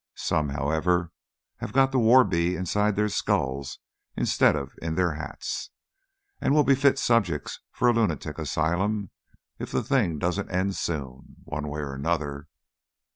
Some, however, have got the war bee inside their skulls instead of in their hats, and will be fit subjects for a lunatic asylum if the thing doesn't end soon, one way or another.